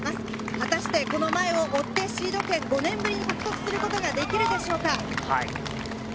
果たしてこの前を追って、シード権を５年ぶりに獲得することができるでしょうか。